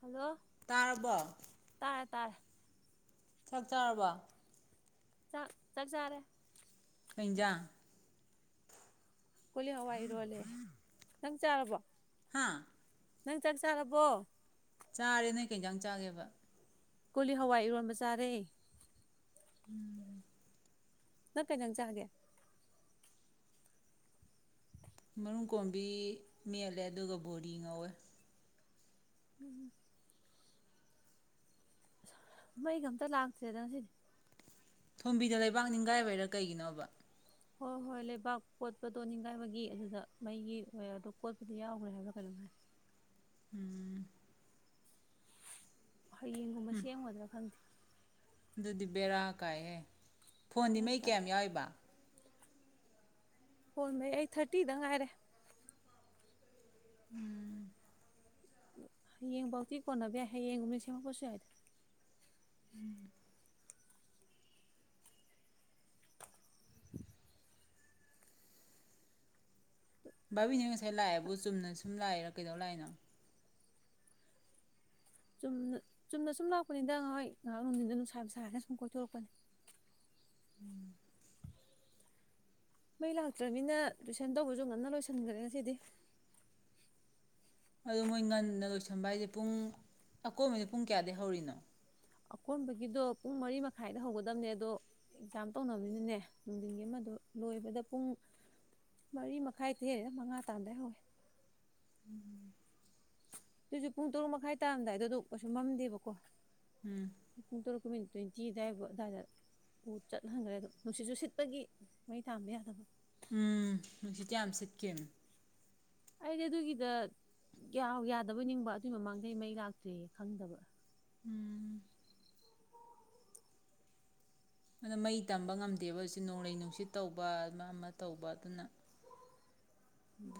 hello ꯇꯥꯔꯕꯣ ꯇꯥꯔꯦ ꯇꯥꯔꯦ ꯆꯥꯛ ꯆꯥꯔꯕꯣ ꯆꯥꯛ ꯆꯥꯛ ꯆꯥꯔꯦ ꯀꯩ ꯍꯤꯟꯖꯥꯟ ꯀꯣꯂꯤ ꯍꯋꯥꯏ ꯏꯔꯣꯜꯂꯦ ꯅꯪ ꯆꯥꯔꯕꯣ ꯍꯥꯥ ꯅꯪ ꯆꯥꯛ ꯆꯥꯔꯕꯣ ꯆꯥꯔꯦ ꯅꯣꯏ ꯀꯩ ꯍꯤꯟꯖꯥꯟ ꯆꯥꯒꯦꯕ ꯀꯣꯂꯤ ꯍꯋꯥꯏ ꯏꯔꯣꯟꯕ ꯆꯥꯔꯦ ꯎꯝ ꯅꯪ ꯀꯩ ꯍꯤꯟꯖꯥꯟ ꯆꯥꯒꯦ ꯃꯔꯨꯝ ꯀꯣꯝꯕꯤ ꯃꯦꯠꯂꯦ ꯑꯗꯨꯒ ꯕꯨꯔꯤ ꯉꯧꯋꯦ ꯎꯝ ꯃꯩꯒ ꯑꯝꯇ ꯂꯥꯛꯇ꯭ꯔꯦꯗ ꯉꯁꯤꯗꯤ ꯊꯣꯝꯕꯤꯗ ꯂꯩꯕꯥꯛ ꯅꯤꯡꯒꯥꯏꯕꯩꯔꯥ ꯀꯩꯒꯤꯅꯣꯕ ꯍꯣꯏ ꯍꯣꯏ ꯂꯩꯕꯥꯛ ꯀꯣꯠꯄꯗꯣ ꯅꯤꯡꯈꯥꯏꯕꯒꯤ ꯑꯗꯨꯗ ꯃꯩꯒꯤ [unintelligible] ꯀꯣꯠꯄ ꯌꯥꯎꯈ꯭ꯔꯦ ꯍꯥꯏꯕꯔꯥ ꯀꯩꯅꯣꯝ ꯍꯥꯏ ꯎꯝ ꯍꯌꯦꯡꯒꯨꯝꯕ ꯁꯦꯝꯒꯗ꯭ꯔꯥ ꯈꯪꯗꯦ ꯑꯗꯨꯗꯤ ꯕꯦꯔꯥ ꯀꯥꯏꯍꯦ ꯐꯣꯟꯗꯤ ꯕꯦꯔꯥ ꯃꯩ ꯀꯥꯏ ꯀꯌꯥꯝ ꯌꯥꯎꯏꯕ ꯐꯣꯝ ꯃꯩ ꯑꯩ ꯊꯥꯔꯇꯤꯗ ꯉꯥꯏꯔꯦ ꯎꯝ ꯍꯌꯦꯡꯐꯧꯗꯤ ꯀꯣꯟꯅꯕ ꯌꯥꯏ ꯍꯌꯦꯡꯒꯨꯝꯕꯗ ꯁꯦꯝꯃꯛꯄꯁꯨ ꯌꯥꯏꯗ ꯎꯝ ꯚꯥꯕꯤꯅꯦ ꯉꯁꯥꯏ ꯂꯥꯛꯑꯦꯕꯨ ꯆꯨꯝꯅ ꯁꯨꯝ ꯂꯥꯛꯏꯔꯥ ꯀꯩꯗꯧ ꯂꯥꯛꯏꯅꯣ ꯆꯨꯝꯅ ꯆꯨꯝꯅꯥ ꯁꯨꯝ ꯂꯥꯛꯄꯅꯤꯗ ꯍꯣꯏ ꯉꯥꯏꯍꯥꯛ ꯅꯨꯡꯗꯤꯟꯗ ꯅꯨꯡꯁꯥ ꯅꯨꯡꯁꯥꯏꯌꯦꯅ ꯁꯨꯝ ꯀꯣꯏꯊꯣꯔꯛꯄꯅꯤ ꯎꯝ ꯃꯩ ꯂꯥꯛꯇ꯭ꯔꯃꯤꯅ ꯇꯨꯏꯁꯟ ꯇꯧꯕꯁꯨ ꯉꯟꯅ ꯂꯣꯏꯁꯤꯟꯈ꯭ꯔꯦ ꯉꯁꯤꯗꯤ ꯑꯗꯨ ꯃꯣꯏ ꯉꯟꯅ ꯂꯣꯏꯁꯟꯕ ꯍꯥꯏꯁꯦ ꯄꯨꯡ ꯑꯀꯣꯟꯕꯩ ꯄꯨꯡ ꯀꯌꯥꯗꯒꯤ ꯍꯧꯔꯤꯅꯣ ꯑꯀꯣꯟꯕꯒꯤꯗꯣ ꯄꯨꯡ ꯃꯔꯤ ꯃꯈꯥꯏꯗ ꯍꯧꯒꯗꯕꯅꯦ ꯑꯗꯣ ꯑꯦꯛꯖꯥꯝ ꯇꯧꯅꯕꯅꯤꯅꯅꯦ ꯅꯨꯡꯊꯤꯟꯒꯤ ꯑꯃꯗꯣ ꯂꯣꯏꯕꯗ ꯄꯨꯡ ꯃꯔꯤ ꯃꯈꯥꯏꯗꯒꯤ ꯃꯉꯥ ꯇꯥꯔꯝꯗꯥꯏ ꯍꯧꯋꯦ ꯑꯗꯨꯏꯁꯨ ꯄꯨꯡ ꯇꯔꯨꯛ ꯃꯈꯥꯏ ꯇꯥꯔꯝꯗꯥꯏꯗꯗꯨ ꯀꯩꯁꯨ ꯃꯝꯗꯦꯕꯀꯣ ꯎꯝ [unintelligible] [unintelligible] ꯇ꯭ꯋꯦꯟꯇꯤ ꯑꯗꯨꯋꯥꯏꯕꯨ ꯑꯗꯨꯋꯥꯏꯗ ꯆꯠꯍꯟꯈ꯭ꯔꯦ ꯑꯗꯨꯝ ꯅꯨꯡꯁꯤꯠꯁꯨ ꯁꯤꯠꯄꯒꯤ ꯃꯩ ꯊꯥꯟꯕ ꯌꯥꯗꯕ ꯎꯝ ꯅꯨꯡꯁꯤꯠꯇꯤ ꯌꯥꯝ ꯁꯤꯠ [unintelligible] ꯑꯩꯗꯤ ꯑꯗꯨꯒꯤꯗ ꯌꯥꯗꯕꯩ ꯅꯤꯡꯕ ꯑꯗꯨꯏ ꯃꯃꯥꯡꯗꯩ ꯃꯩ ꯂꯥꯛꯇꯔ꯭ꯦꯌꯦ ꯈꯪꯗꯕ ꯎꯝ ꯑꯗꯨꯅ ꯃꯩ ꯇꯝꯕ ꯉꯝꯗꯦꯕ ꯅꯣꯡꯂꯩ ꯅꯨꯡꯁꯤꯠ ꯇꯧꯕ ꯑꯃ ꯑꯃ ꯇꯧꯕ ꯑꯗꯨꯅ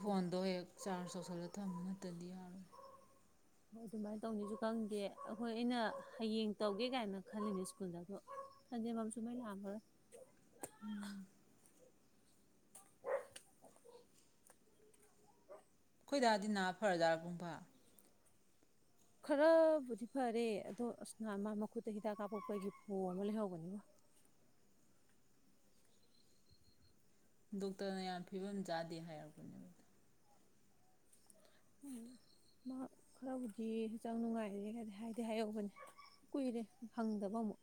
ꯐꯣꯟꯗꯣ ꯍꯦꯛ ꯆꯥꯔꯖ ꯇꯧꯁꯤꯜꯂ ꯊꯝꯃꯨ ꯅꯥꯠꯇꯔꯥꯗꯤ ꯌꯥꯔꯣꯏ ꯍꯣꯏ ꯑꯗꯨꯃꯥꯏꯅ ꯇꯧꯅꯤꯁꯨ ꯈꯪꯗꯦ ꯑꯩꯈꯣꯏ ꯑꯩꯅ ꯍꯌꯦꯡ ꯇꯧꯒꯦ ꯀꯥꯏꯅ ꯈꯜꯂꯤꯅꯦ ꯁ꯭ꯀꯨꯜꯗ ꯑꯗꯣ [unintelligible] ꯂꯥꯛꯑꯝꯃꯔꯣꯏ ꯎꯝ ꯑꯩꯈꯣꯏꯗꯥꯗꯤ ꯅꯥ ꯐꯔꯖꯥꯠꯂꯥ ꯄꯨꯡꯐꯥ ꯈꯔꯕꯨꯗꯤ ꯐꯔꯦ ꯑꯗꯣ ꯑꯁ ꯅꯍꯟ ꯃꯥ ꯃꯈꯨꯠꯇ ꯍꯤꯗꯥꯛ ꯀꯥꯞꯄꯛꯄꯒꯤ ꯄꯣꯝꯃ ꯂꯩꯍꯧꯕꯅꯤꯉꫭ ꯗꯣꯛꯇꯔꯅ ꯌꯥꯝ ꯐꯤꯕꯝ ꯆꯥꯗꯦ ꯍꯥꯏꯔꯛꯄꯅꯦ ꯃꯥ ꯈꯔꯕꯨꯗꯤ ꯍꯛꯆꯥꯡ ꯅꯨꯡꯉꯥꯏꯔꯦ ꯍꯥꯏꯗꯤ ꯍꯥꯏꯍꯧꯕꯅꯦ ꯀꯨꯏꯔꯦ ꯐꯪꯗꯕ ꯑꯃꯨꯛ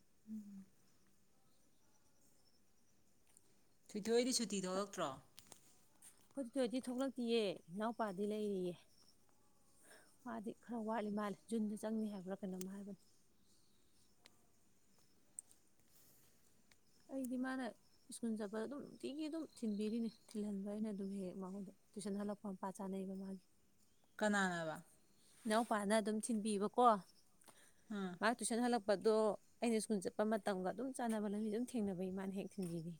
[inaudible] ꯊꯣꯏꯊꯣꯏꯗꯤ ꯁꯨꯇꯤ ꯊꯣꯛꯂꯛꯇ꯭ꯔꯣ ꯈꫭꯏ ꯊꫭꯏꯊꫭꯏꯗꯤ ꯊꯣꯛꯂꯛꯇꯤꯌꯦ ꯏꯅꯥꯎꯄꯥꯗꯤ ꯂꯩꯔꯤꯌꯦ ꯃꯥꯗꯤ ꯈꯔ ꯋꯥꯠꯂꯤ ꯃꯥꯜꯂꯦ ꯖꯨꯟꯗ ꯆꯪꯅꯤ ꯍꯥꯏꯕ꯭ꯔꯥ ꯀꯩꯅꯣꯝ ꯍꯥꯏꯕꯅꯦ ꯑꯩꯗꯤ ꯃꯥꯅ ꯁ꯭ꯀꯨꯜ ꯆꯠꯄꯗ ꯑꯗꯨꯝ ꯅꯨꯡꯇꯤꯒꯤ ꯑꯗꯨꯝ ꯊꯤꯟꯕꯤꯔꯤꯅꯦ ꯊꯤꯜꯍꯟꯕꯩꯅ ꯑꯗꯨꯝ ꯍꯦꯛ ꯃꯉꯣꯟꯗ ꯇꯨꯏꯁꯟ ꯍꯜꯂꯛꯄ ꯃꯄꯥ ꯆꯥꯅꯩꯕ ꯃꯥꯒꯤ ꯀꯅꯥꯅꯕ ꯏꯅꯥꯎꯄꯥꯅ ꯑꯗꯨꯝ ꯊꯤꯟꯕꯤꯕꯀꯣ ꯑꯥ ꯑ ꯇꯨꯁꯟ ꯍꯂ ꯄꯗꯣ ꯑꯩꯅ ꯁ꯭ꯀꯨꯜ ꯆꯠꯄ ꯃꯇꯝꯒ ꯑꯗꯨꯝ ꯆꯥꯟꯅꯕ ꯂꯝꯕꯤ ꯑꯗꯨꯝ ꯊꯦꯡꯅꯕꯩ ꯃꯥꯅ ꯍꯦꯛ ꯊꯤꯟꯕꯤꯅꯦ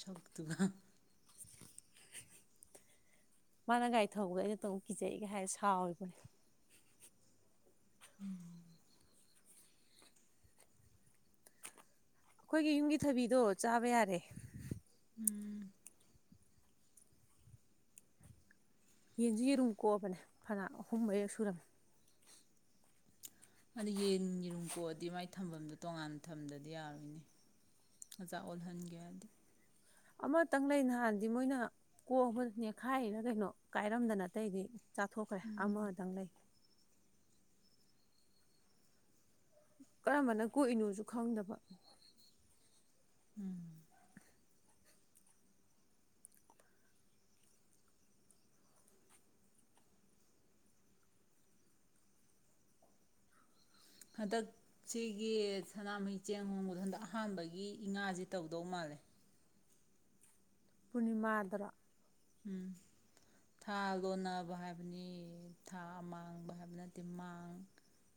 ꯁꯛꯇꯨꯒ ꯃꯥꯅ ꯒꯥꯔꯤ ꯊꯧꯕꯗ ꯑꯩꯅ ꯇꯣꯡ ꯀꯤꯖꯩꯒ ꯍꯥꯏꯔ ꯁꯥꯎꯔꯤꯕ ꯎꯝ ꯑꯩꯈꯣꯏꯒꯤ ꯌꯨꯝꯒꯤ ꯊꯕꯤꯗꯣ ꯆꯥꯕ ꯌꯥꯔꯦ ꯎꯝ ꯌꯦꯟꯁꯨ ꯌꯦꯔꯨꯝ ꯀꯣꯛꯑꯕꯅꯦ ꯐꯅ ꯑꯍꯨꯝ ꯃꯔꯤꯔꯛ ꯁꯨꯔꯝꯃꯦ ꯑꯗꯨ ꯌꯦꯟ ꯌꯦꯔꯨꯝ ꯀꯣꯛꯑꯗꯤ ꯃꯥꯏ ꯊꯝꯕꯝꯗꯣ ꯇꯣꯉꯥꯟꯅ ꯊꯝꯗꯗꯤ ꯌꯥꯔꯣꯏꯅꯦ ꯃꯆꯥꯥ ꯑꯣꯜꯍꯟꯒꯦ ꯍꯥꯏꯗꯤ ꯑꯃꯇꯪ ꯂꯩ ꯅꯍꯥꯟꯗꯤ ꯃꯣꯏꯅ ꯀꯣꯛꯑꯥꯕ ꯅꯦꯈꯥꯏꯔ ꯀꯩꯅꯣ ꯀꯥꯏꯔꯝꯗꯅ ꯑꯥꯇꯩꯗꯤ ꯆꯥꯊꯣꯛꯈ꯭ꯔꯦ ꯑꯃꯗꯪ ꯂꯩ ꯀꯔꯝꯕꯅ ꯀꯣꯛꯏꯅꯣꯁꯨ ꯈꯪꯗꯕ ꯎꯝ ꯍꯟꯗꯛ ꯁꯤꯒꯤ ꯁꯅꯥꯃꯍꯤ ꯆꯦꯡ ꯍꯣꯡꯕꯗ ꯍꯟꯗꯛ ꯑꯍꯥꯟꯕꯒꯤ ꯏꯉꯥꯖꯤ ꯇꯧꯗꯧ ꯃꯥꯜꯂꯦ ꯄꯨꯅꯤꯃꯥ ꯗꯔꯣ ꯎꯝ ꯊꯥ ꯂꯣꯟꯅꯕ ꯍꯥꯏꯕꯅꯤ ꯊꯥ ꯃꯥꯡꯕ ꯍꯥꯏꯕ ꯅꯠꯇꯦ ꯃꯥꯡ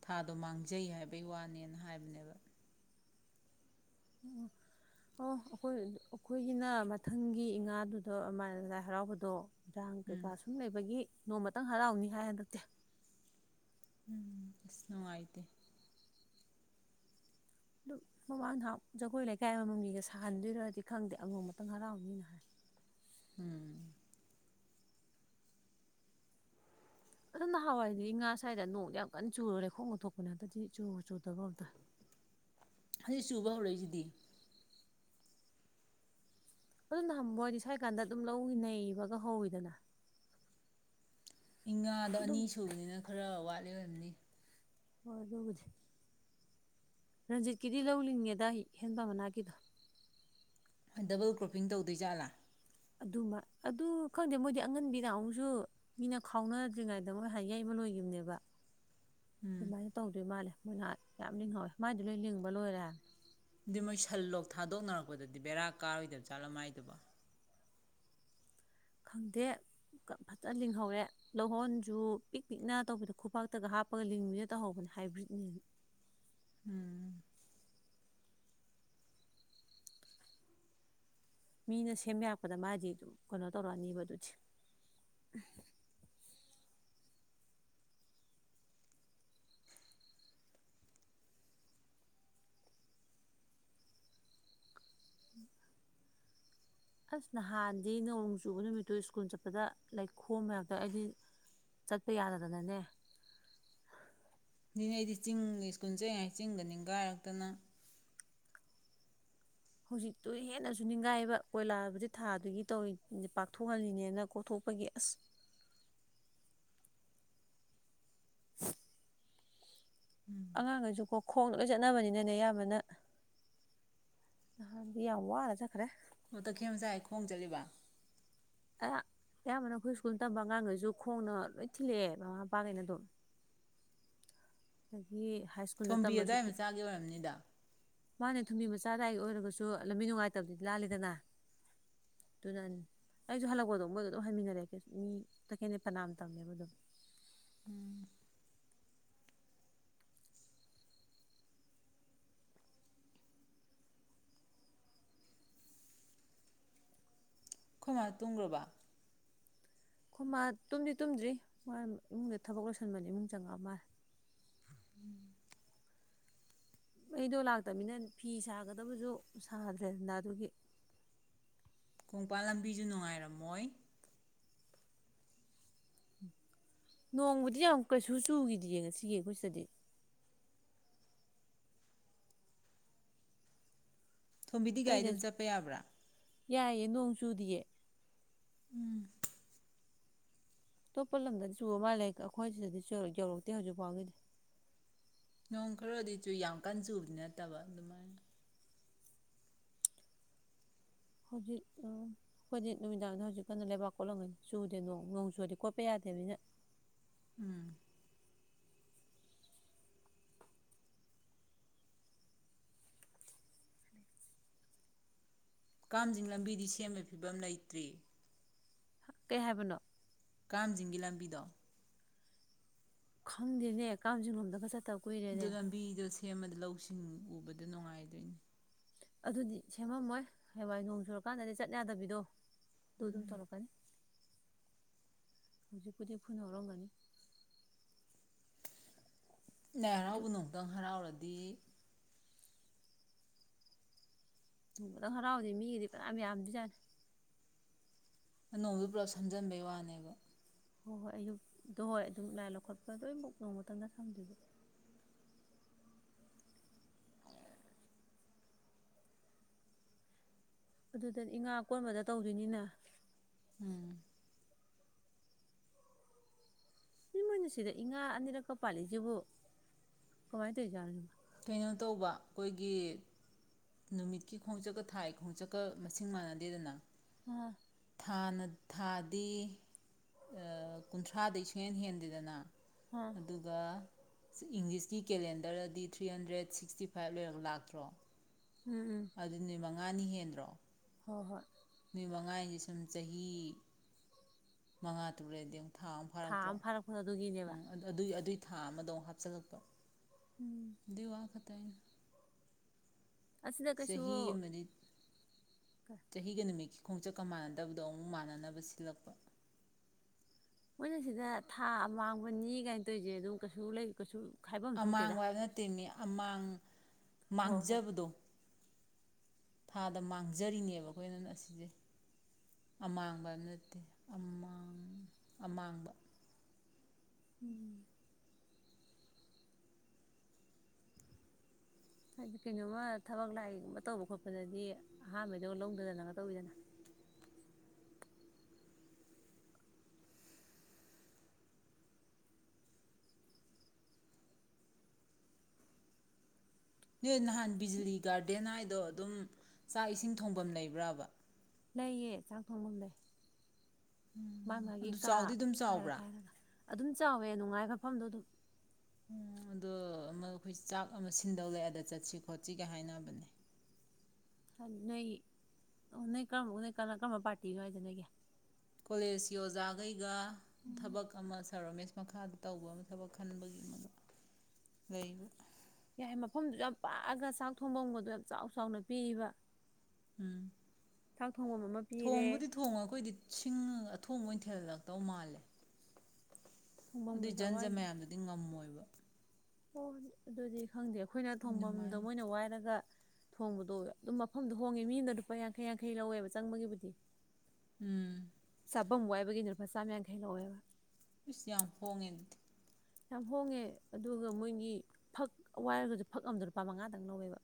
ꯊꯥꯗꯣ ꯃꯥꯡꯖꯩ ꯍꯥꯏꯕꯩ ꯋꯥꯅꯦꯅ ꯍꯥꯏꯕꯅꯦꯕ ꯑꯣ ꯑꯣ ꯑꯩꯈꯣꯏ ꯑꯩꯈꯣꯏꯒꯤꯅ ꯃꯊꯪꯒꯤ ꯏꯉꯥꯗꯨꯗꯥ ꯂꯥꯏ ꯍꯔꯥꯎꯕꯗꯣ ꯏꯔꯥꯡ ꯎꯝ ꯀꯩꯀꯥ ꯁꯨꯝ ꯂꯩꯕꯒꯤ ꯅꯣꯡꯃꯇꯪ ꯍꯔꯥꯎꯅꯤ ꯍꯥꯏ ꯍꯟꯗꯛꯇꯤ ꯎꯝ ꯑꯁꯅꯨꯡꯉꯥꯏꯇꯦ ꯑꯗꯨꯝ ꯃꯃꯥꯡ [unintelligible] ꯖꯒꯣꯏ ꯂꯩꯀꯥꯏ ꯑꯥꯃꯝ ꯃꯤꯒ ꯁꯥꯍꯟꯗꯣꯏꯔꯗꯤ ꯈꯪꯗꯦ ꯑꯉꯣꯝꯃꯇꯪ ꯍꯔꯥꯎꯅꯤꯅ ꯍꯥꯏ ꯎꯝ ꯑꯗꯣ ꯅꯍꯥꯟꯋꯥꯏꯗꯤ ꯏꯉꯥ ꯁ꯭ꯋꯥꯏꯗ ꯅꯣꯡꯗ ꯌꯥꯝ ꯀꯟꯅ ꯆꯨꯔꯨꯔꯦ ꯂꯩꯈꯣꯝꯒ ꯊꯣꯛꯄꯅꯦ ꯍꯟꯗꯛꯇꯤ ꯆꯨꯕꯨ ꯆꯨꯗꯕ ꯀꯩꯅꯣꯝꯇꯧꯏ ꯆꯨꯕ ꯍꯧꯔꯛꯏꯁꯤꯗꯤ ꯑꯗꯨꯅ ꯋꯥꯏꯗꯤ ꯁ꯭ꯋꯥꯏ ꯀꯥꯟꯗ ꯑꯗꯨꯝ ꯂꯧ ꯅꯩꯕꯒ ꯍꯧꯋꯤꯗꯅ ꯏꯉꯥꯗ ꯑꯗꯨꯝ ꯑꯅꯤ ꯁꯨꯕꯅꯤꯅ ꯈꯔ ꯋꯥꯠꯂꯤ ꯑꯣꯏꯔꯝꯅꯤ ꯑꯗꯨꯕꯨꯗꯤ ꯔꯟꯖꯤꯠꯀꯤꯗꯤ ꯂꯧ ꯂꯤꯡꯉꯦ ꯗꯥꯏ ꯍꯦꯟ ꯄꯥꯝ ꯃꯅꯥꯛꯀꯤꯗꯣ ꯗꯕꯜ ꯀ꯭ꯔꯣꯞꯄꯤꯡ ꯇꯧꯗꯣꯏ ꯖꯥꯠꯂꯥ ꯑꯗꯨꯃ ꯑꯗꯨ ꯈꯪꯗꯦ ꯃꯣꯏꯗꯤ ꯑꯉꯟꯕꯤ ꯅꯍꯥꯟꯃꯨꯛꯁꯨ ꯃꯤꯅ ꯈꯥꯎꯅꯗ꯭ꯔꯤꯉꯩꯗ ꯃꯣꯏ ꯍꯥꯟ ꯌꯩꯕ ꯂꯣꯏꯒꯤꯃꯦꯕ ꯑꯗꯨꯃꯥꯏꯅ ꯇꯧꯗꯣꯏ ꯃꯥꯜꯂꯦ [unintelligible] ꯌꯥꯝ ꯂꯤꯡꯍꯧꯋꯦ ꯃꯥꯏꯗꯣ ꯂꯣꯏ ꯂꯤꯡꯕ ꯂꯣꯏꯔꯦ ꯍꯥꯏꯃꯦ ꯑꯗꯨ ꯃꯣꯏ ꯁꯟ ꯂꯣꯛ ꯊꯥꯗꯣꯛꯅꯔꯛꯄꯗꯗꯤ ꯕꯦꯔꯥ ꯀꯥꯔꯣꯏꯗꯕꯖꯠꯂꯣ ꯃꯥꯏꯗꯨꯕꯣ ꯈꯪꯗꯦ ꯐꯖꯅ ꯂꯤꯡꯍꯧꯋꯦ ꯂꯎꯍꯣꯟꯁꯨ ꯄꯤꯛ ꯄꯤꯛꯅ ꯇꯧꯕꯤꯗꯣ ꯈꯨꯕꯛꯇꯒ ꯍꯥꯞꯄꯒ ꯂꯤꯡꯕꯤꯗꯣ ꯇꯧꯍꯧꯕꯅꯦ ꯍꯥꯏꯕ꯭ꯔꯤꯠꯅꯦꯅꯥ ꯎꯝ ꯃꯤꯅ ꯁꯦꯝ ꯌꯥꯔꯛꯄꯗ ꯃꯥꯗꯤ ꯑꯗꯨꯝ ꯀꯩꯅꯣ ꯇꯧꯔꯛꯑꯅꯦꯕ ꯑꯗꯨꯗꯤ ꯑꯁ ꯅꯍꯥꯟꯗꯤ ꯅꯣꯡ ꯆꯨꯕ ꯅꯨꯃꯤꯠꯇꯣ ꯁ꯭ꯀꯨꯜ ꯆꯠꯄꯗ ꯂꯩꯈꯣꯝ ꯃꯔꯛꯇ ꯑꯩꯗꯤ ꯆꯠꯄ ꯌꯥꯗꯗꯅꯅꯦ ꯅꯅꯦ ꯑꯩꯗꯤ ꯆꯤꯡ ꯁ꯭ꯀꯨꯜ ꯆꯩꯉꯩ ꯆꯤꯡꯒ ꯅꯤꯪꯒꯥꯏꯔꯛꯇꯅ ꯍꯧꯖꯤꯛꯇꯨ ꯍꯦꯟꯅꯁꯨ ꯅꯤꯡꯒꯥꯏꯕ ꯀꯣꯏꯂꯥꯕꯨꯗꯤ ꯊꯥꯗꯨꯒꯤ ꯇꯧꯔꯤ ꯄꯥꯛꯊꯣꯛꯍꯜꯂꯤꯅꯦꯅ ꯀꯣꯛꯊꯣꯛꯄꯒꯤ ꯑꯁ [inaudible] ꯑꯉꯥꯡꯒꯁꯨ ꯀꯣ ꯈꯣꯡ ꯂꯣꯏ ꯆꯠꯅꯕꯅꯤꯅꯅꯦ ꯑꯌꯥꯝꯕꯅ ꯅꯍꯥꯟꯗꯤ ꯌꯥꯝ ꯋꯥꯅ ꯆꯠꯈ꯭ꯔꯦ ꯑꯣ ꯇꯈꯦꯜ ꯃꯆꯈꯩ ꯈꯣꯡ ꯆꯠꯂꯤꯕ ꯑꯌꯥꯝꯕꯅ ꯑꯩꯈꯣꯏ ꯁ꯭ꯀꯨꯜ ꯇꯝꯕ ꯑꯉꯥꯡꯈꯩꯁꯨ ꯈꯣꯡꯅ ꯂꯣꯏ ꯊꯤꯜꯂꯛꯑꯦ ꯃꯃꯥ ꯃꯄꯥꯈꯩꯅ ꯑꯗꯨꯝ ꯑꯗꯒꯤ ꯍꯥꯏ ꯁ꯭ꯀꯨꯜꯗ ꯊꯣꯝꯕꯤ ꯇꯝꯕꯁꯨ ꯑꯗꯥꯏ ꯃꯆꯥꯒꯤ ꯑꯣꯏꯔꯝꯅꯤꯗ ꯃꯥꯅꯦ ꯊꯨꯝꯕꯤ ꯃꯆꯥꯗ ꯑꯩꯒꯤ ꯑꯣꯏꯔꯒꯁꯨ ꯂꯝꯕꯤ ꯅꯨꯡꯉꯥꯏꯇꯕꯗꯤꯗꯤ ꯂꯥꯜꯂꯤꯗꯅ ꯑꯗꯨꯅ ꯑꯩꯁꯨ ꯍꯜꯂꯛꯄꯗꯣ ꯃꯣꯏꯒ ꯑꯗꯨꯝ ꯍꯟꯃꯤꯟꯅꯔꯦ ꯃꯤ ꯇꯈꯦꯟꯗ ꯐꯅꯥꯝ ꯇꯝꯃꯦꯕ ꯑꯗꯨꯝ ꯎꯝ ꯑꯩꯈꯣꯏ ꯃꯥ ꯇꯨꯡꯒꯔꯥꯕ ꯈꯣꯏ ꯃꯥ ꯇꯨꯝꯗꯤ ꯇꯨꯝꯗ꯭ꯔꯤ ꯃꯥ ꯏꯃꯨꯡꯗ ꯊꯕꯛ ꯂꯣꯏꯁꯤꯟꯕꯅꯤ ꯏꯃꯨꯡ ꯆꯪꯉꯛꯑ ꯃꯥꯜꯂꯦ ꯎꯝ ꯃꯩꯗꯣ ꯂꯥꯛꯇ꯭ꯔꯙꯕꯅꯤꯅ ꯐꯤ ꯁꯥꯒꯗꯕꯁꯨ ꯁꯥꯗ꯭ꯔꯦꯗꯅ ꯑꯗꯨꯒꯤ ꯀꯣꯡꯄꯥꯥꯟ ꯂꯝꯕꯤꯁꯨ ꯅꯨꯡꯉꯥꯏꯔꯝꯃꯣꯏ ꯅꯣꯡꯕꯨꯗꯤ ꯌꯥꯝ ꯀꯩꯁꯨ ꯆꯨꯈꯤꯗ ꯌꯦ ꯉꯁꯤꯒꯤ ꯑꯩꯈꯣꯏ ꯁꯤꯗꯗꯤ ꯊꯣꯝꯕꯤꯗꯤ ꯒꯥꯔꯤ ꯑꯇꯩꯗ ꯑꯗꯨꯝ ꯆꯠꯄ ꯌꯥꯕ꯭ꯔꯥ ꯌꯥꯏꯌꯦ ꯅꯣꯡ ꯆꯨꯗꯤꯌꯦ ꯎꯝ ꯑꯇꯣꯞꯄ ꯂꯝꯗꯗꯤ ꯆꯨꯕ ꯃꯥꯜꯂꯦ ꯑꯩꯈꯣꯏ ꯁꯤꯗꯗꯤ ꯌꯧꯔꯛꯇꯦ ꯍꯧꯖꯤꯛ ꯐꯥꯎꯒꯤꯗꯤ ꯅꯣꯡ ꯈꯔꯗꯤ ꯆꯨ ꯌꯥꯝ ꯀꯟ ꯆꯨꯕꯗꯤ ꯅꯠꯇꯕ ꯑꯗꯨꯃꯥꯏꯅ ꯍꯧꯖꯤꯛ ꯑꯩꯈꯣꯏꯗꯤ ꯅꯨꯃꯤꯗꯥꯡꯗ ꯍꯧꯖꯤꯛ ꯀꯥꯟꯩꯅ ꯂꯩꯕꯥꯛ ꯀꯣꯠꯂꯝꯒꯩ ꯆꯨꯗꯦ ꯅꯣꯡ ꯅꯣꯡ ꯆꯨꯗꯦ ꯀꯣꯠꯄ ꯌꯥꯗꯦꯅꯤꯅ ꯎꯝ ꯀꯥꯝꯖꯤꯡ ꯂꯝꯕꯤꯗꯤ ꯁꯦꯝꯕ ꯐꯤꯕꯝ ꯂꯩꯇ꯭ꯔꯤ ꯀꯩ ꯍꯥꯏꯕꯅꯣ ꯀꯥꯝꯖꯤꯡꯒꯤ ꯂꯝꯕꯤꯗꯣ ꯈꯪꯗꯦꯅꯦ ꯀꯥꯝꯖꯤ ꯂꯣꯝꯗꯥꯒꯥ ꯆꯠꯇꯕ ꯑꯗꯨ ꯀꯨꯏꯔꯦꯅꯦ ꯂꯝꯕꯤꯗꯣ ꯁꯦꯝꯃꯗ ꯂꯧꯁꯤꯡ ꯎꯕꯗ ꯅꯨꯡꯉꯥꯏꯗꯣꯏꯅꯤ ꯑꯗꯨꯗꯤ ꯁꯦꯝꯃꯝꯃꯣꯏ ꯍꯋꯥꯏ ꯅꯣꯡ ꯆꯨꯔꯀꯥꯟꯗꯗꯤ ꯆꯠ ꯌꯥꯗꯕꯤꯗꯣ ꯗꯗꯨꯝ ꯇꯧꯔꯛꯀꯅꯤ ꯍꯧꯖꯤꯛꯄꯨꯗꯤ ꯈꯨꯟ ꯌꯧꯔꯛꯑꯥꯝꯃꯅꯤ ꯂꯥꯏ ꯍꯔꯥꯎꯕ ꯅꯣꯡ ꯑꯃꯨꯛꯇꯪ ꯍꯔꯥꯎꯔꯗꯤ ꯗꯤ ꯅꯣꯡꯃꯗꯪ ꯍꯔꯥꯎꯗꯤ ꯃꯤꯒꯤꯗꯤ ꯐꯅꯌꯥꯝ ꯌꯥꯝꯗꯤꯅꯤꯗ ꯑꯅꯧꯗꯨ ꯄꯨꯂꯞ ꯁꯝꯖꯟꯕꯩ ꯋꯥꯅꯦꯕ ꯍꯣꯏ ꯍꯣꯏ ꯑꯌꯨꯛꯇꯛꯇꯣ ꯍꯣꯏ ꯑꯗꯨꯝ ꯂꯥꯏ ꯂꯧꯈꯠꯄ ꯂꯣꯏꯃꯨꯛ ꯅꯣꯡꯃꯇꯗ ꯁꯝꯗꯣꯏꯕ ꯑꯗꯨꯗꯗꯤ ꯏ ꯉꯥ ꯀꯣꯟꯕꯗ ꯇꯧꯗꯣꯏꯅꯤꯅ ꯎꯝ ꯏ ꯃꯣꯏꯅ ꯁꯤꯗ ꯏꯉꯥ ꯑꯅꯤꯔꯛꯀ ꯄꯥꯜꯂꯤꯏꯁꯤꯕꯨ ꯀꯃꯥꯏꯅ ꯇꯧꯏꯖꯠꯅꯣ ꯀꯩꯅꯣ ꯇꯧꯕ ꯑꯩꯈꯣꯏꯒꯤ ꯅꯨꯃꯤꯠꯀꯤ ꯈꯣꯡꯆꯠꯀ ꯊꯥꯏ ꯈꯣꯡꯆꯠꯀ ꯃꯁꯤꯡ ꯃꯥꯟꯅꯗꯦꯗꯅ ꯎ ꯍꯥꯜ ꯊꯥꯗꯤ ꯀꯨꯟꯊ꯭ꯔꯥꯗꯩ ꯁꯨꯡꯍꯅ ꯍꯦꯟꯗꯦꯗꯅ ꯑꯥ ꯑꯗꯨꯒ ꯏꯪꯂꯤꯁꯀꯤ ꯀꯦꯂꯦꯟꯗꯔꯗꯗꯤ ꯊ꯭ꯔꯤ ꯍꯟꯗ꯭ꯔꯦꯠ ꯁꯤꯛꯁꯇꯤ ꯐꯥꯏꯚ ꯂꯣꯏꯔꯒ ꯂꯥꯛꯇ꯭ꯔꯣ ꯎꯝ ꯎꯝ ꯑꯗꯨꯅꯤ ꯃ ꯃꯅꯥ ꯍꯦꯟꯗ꯭ꯔꯣ ꯍꯣꯏ ꯍꯣꯏ ꯃꯉꯥꯏꯁꯦ ꯁꯨꯝ ꯆꯍꯤ ꯃꯉꯥ ꯇꯔꯨꯛ ꯑꯗꯨꯣ ꯊ ꯑꯃ ꯐꯔꯛ ꯑꯗꯨ ꯎꯝ ꯑꯗꯨ ꯑꯗꯨꯏ ꯑꯗꯨꯏ ꯊꯥ ꯑꯃꯗꯧ ꯍꯥꯞꯆꯤꯜꯂꯛꯄ ꯎꯝ ꯋꯥ [unintelligible] ꯃꯇ ꯇ [unintelligible] ꯑꯁꯤꯗ ꯀꯩꯁꯨ ꯆꯍꯤ ꯑꯃꯅꯤ ꯆꯍꯤꯒ ꯅꯨꯃꯤꯠ ꯈꯣꯡꯆꯠꯀ ꯃꯥꯟꯅꯗꯕꯗꯣ ꯑꯃꯨꯛ ꯃꯥꯟꯅꯅꯕ ꯁꯤꯜꯂꯛꯄ ꯃꯣꯏꯅ ꯁꯤꯗ ꯊꯥ ꯃꯥꯡꯕꯅꯤ ꯀꯥꯏꯅ ꯇꯧꯔꯤꯁꯦ ꯑꯗꯨꯝ ꯀꯩꯁꯨ ꯂꯩ ꯀꯩꯁꯨ ꯍꯥꯏꯐꯝ ꯊꯣꯛꯇꯦꯗ ꯑꯃꯥꯡꯕ ꯍꯥꯌꯕ ꯅꯇꯦꯃꯤ ꯑꯃꯥꯡ ꯍꯣꯏ ꯍꯣꯏ ꯃꯥꯡꯖꯕꯗꯣ ꯊꯥꯗ ꯃꯥꯡꯖꯔꯤꯅꯦꯕ ꯑꯩꯈꯣꯏꯅ ꯉ ꯑꯁꯤꯁꯦ ꯑꯃꯥꯡꯕ ꯅꯠꯇꯦ ꯑꯃꯥꯡ ꯑꯃꯥꯡꯕ ꯎꯝ ꯍꯥꯏꯗꯤ ꯀꯩꯅꯣꯝꯃ ꯊꯕꯛ ꯂꯥꯛꯏꯒꯨꯝꯕ ꯇꯧꯕ ꯈꯣꯠꯄꯗꯗꯤ ꯑꯍꯥꯟꯕꯩꯗꯒ ꯂꯧꯗꯗꯅꯒ ꯇꯧꯕꯤꯗꯅ ꯅ ꯅꯍꯥꯟ ꯕꯤꯖꯂꯤ ꯒꯥꯔꯗꯦꯟ ꯍꯥꯏꯗꯣ ꯑꯗꯨꯝ ꯆꯥꯛ ꯏꯁꯤꯡ ꯊꯣꯡꯐꯝ ꯂꯩꯕ꯭ꯔꯕ ꯂꯩꯌꯦ ꯆꯥꯛ ꯊꯣꯡꯕꯝ ꯂꯩ ꯃꯥ ꯃꯥꯒꯤ ꯑꯗꯨ ꯀꯥ ꯆꯥꯎꯗꯤ ꯑꯗꯨꯝ ꯈꯥꯏꯔ ꯆꯥꯎꯕ꯭ꯔꯥ ꯈꯥꯏꯔꯒ ꯑꯗꯨꯝ ꯆꯥꯎꯋꯦ ꯅꯨꯡꯉꯥꯏ ꯃꯐꯝꯗꯣ ꯑꯗꯨꯝ ꯎ ꯑꯗꯣ ꯑꯃ ꯑꯩꯈꯣꯏ ꯆꯥꯛ ꯑꯃ ꯁꯤꯟꯗꯧꯔꯛꯑꯦꯗ ꯆꯠꯁꯤ ꯈꯣꯠꯁꯤꯒ ꯍꯥꯏꯅꯕꯅꯦ [unintelligible] ꯅꯣꯏ ꯀꯃ ꯄꯥꯔꯇꯤꯅꯣ ꯅꯣꯏꯒꯤ ꯀꯣꯂꯦꯖꯀꯤ ꯑꯣꯖꯈꯩ ꯁꯤꯒ ꯎꯝ ꯊꯕꯛ ꯑꯃ ꯁꯥꯔ ꯔꯣꯃꯦꯁ ꯃꯈꯥꯗ ꯇꯧꯕ ꯑꯃ ꯊꯕꯛ ꯈꯟꯕꯒꯤ ꯂꯩꯕ ꯌꯥꯏ ꯃꯐꯝꯗꯨ ꯌꯥꯝ ꯄꯥꯛꯑꯒ ꯆꯥꯛ ꯊꯣꯡꯐꯝꯕꯗꯣ ꯌꯥꯝ ꯆꯥꯎ ꯆꯥꯎꯅ ꯄꯤꯏꯕ ꯎꯝ ꯄꯤꯔꯦ ꯊꯣꯡꯕꯨꯗꯤ ꯊꯣꯡꯉ ꯑꯩꯈꯣꯏꯗꯤ ꯁꯤꯡꯒ ꯊꯣꯡ ꯑꯣꯏꯅ ꯊꯤꯜꯍꯜꯂꯛꯇꯧ ꯃꯥꯜꯂꯦ ꯊꯣꯡꯐꯝ ꯑꯗꯨꯏ ꯀꯩꯀꯥ ꯖꯟ ꯖ ꯃꯌꯥꯝꯗꯨꯗꯤ ꯉꯝꯃꯣꯏꯕ ꯍ ꯑꯗꯨꯗꯤ ꯈꯪꯗꯦ ꯑꯩꯈꯣꯏꯅ ꯊꯣꯐꯝꯗꯣ ꯑꯗꯨꯃꯥꯏꯅ ꯃꯣꯏꯅ ꯋꯥꯏꯔꯒ ꯊꯣꯡꯕꯗꯣꯋꯦ ꯑꯗꯨꯝ ꯃꯐꯝꯗꯣ ꯍꯣꯡꯉꯦ ꯃꯤꯅ ꯂꯨꯄꯥ ꯌꯥꯡꯈꯩ ꯌꯥꯡꯈꯩ ꯂꯧꯋꯦꯕ ꯆꯪꯕꯒꯤꯕꯨꯗꯤ ꯎꯝ ꯆꯥꯐꯝ ꯋꯥꯏꯕꯒꯤꯗꯨ ꯂꯨꯄꯥ ꯆꯥꯝ ꯌꯥꯡꯈꯩ ꯂꯧꯋꯦꯕ ꯏꯁꯁ ꯌꯥꯝ ꯍꯣꯡꯉꯦ ꯑꯗꯨꯗꯤ ꯌꯥꯝ ꯍꯣꯡꯉꯦ ꯑꯗꯨꯒ ꯃꯣꯏꯒꯤ ꯐꯛ ꯋꯥꯏꯔꯒꯁꯨ ꯐꯛ ꯑꯗ ꯂꯨꯄꯥ ꯃꯉꯥꯗꯪ ꯂꯧꯋꯦꯕ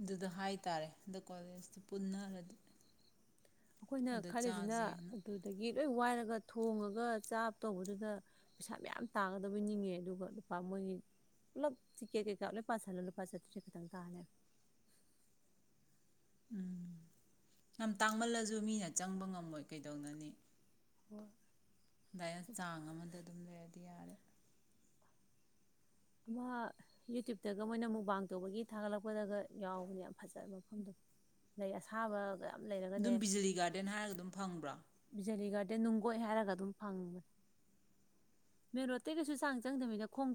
ꯑꯗꯨꯗ ꯍꯥꯏ ꯇꯔꯦ ꯑꯗ ꯀꯣꯂꯦꯖꯇꯨ ꯄꯨꯟꯅꯔꯗꯤ ꯑꯩꯈꯣꯏꯅ ꯑꯗ ꯈꯜꯂꯤꯁꯤꯅ ꯆꯥꯁꯦꯅ ꯑꯗꯨꯗꯒꯤ ꯂꯣꯏ ꯋꯥꯏꯔꯒ ꯊꯣꯡꯉꯒ ꯆꯥꯕ ꯇꯧꯕꯗꯨꯗ ꯄꯩꯁꯥ ꯃꯌꯥꯝ ꯇꯥꯒꯗꯕ ꯅꯤꯡꯉꯦ ꯑꯗꯨꯒ ꯂꯨꯄꯥ ꯃꯣꯏꯒꯤ ꯄꯨꯂꯞ ꯇꯤꯛꯀꯦꯠ ꯀꯩꯀꯥ ꯂꯣꯏ ꯄꯥꯁꯤꯜꯂ ꯂꯨꯄꯥ ꯆꯥꯇ꯭ꯔꯦꯠꯁꯦ ꯈꯛꯇꯪ ꯇꯥꯅꯦꯕ ꯎꯝ ꯌꯥꯝ ꯇꯥꯡꯃꯜꯂꯁꯨ ꯃꯤꯅ ꯆꯪꯕ ꯉꯝꯃꯣꯏ ꯀꯩꯗꯧꯅꯅꯤ ꯍꯣꯏ ꯑꯗꯨꯃꯥꯏꯅ ꯆꯥꯡ ꯑꯃꯗ ꯑꯗꯨꯝ ꯂꯩꯔ ꯇꯌꯥꯔ ꯑꯃ ꯌꯨꯇꯌꯨꯕꯇꯒ ꯃꯣꯏꯅ ꯃꯨꯛꯕꯥꯡ ꯇꯧꯕꯒꯤ ꯊꯥꯒꯠꯂꯛꯄꯗꯒ ꯌꯥꯎꯕꯅꯦ ꯌꯥꯝ ꯐꯖꯕ ꯃꯐꯝꯗꯣ ꯂꯩ ꯑꯁꯥꯕꯒ ꯌꯥꯝ ꯂꯩꯔꯒꯅꯦ ꯑꯗꯨꯝ ꯕꯤꯖꯂꯤ ꯒꯥꯔꯗꯦꯟ ꯍꯥꯏꯔꯒ ꯑꯗꯨꯝ ꯐꯪꯕ꯭ꯔꯥ ꯑꯗꯩ ꯅꯨꯡꯒꯣꯏꯠ ꯍꯥꯏꯔꯒ ꯑꯗꯨꯝ ꯐꯪꯕꯅꯦ ꯃꯦ ꯔꯣꯠꯇ ꯀꯩꯁꯨ ꯆꯥꯡ ꯆꯪꯗꯅꯤꯅ ꯈꯣꯡ